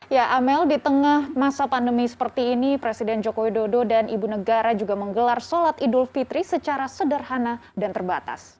ya amel di tengah masa pandemi seperti ini presiden joko widodo dan ibu negara juga menggelar sholat idul fitri secara sederhana dan terbatas